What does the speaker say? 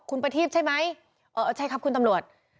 คุณประทีบใช่ไหมเออใช่ครับคุณตำรวจ